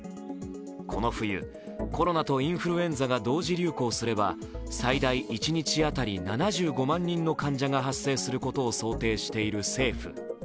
この冬、コロナとインフルエンザが同時流行すれば最大一日当たり７５万人の患者が発生することを想定している政府。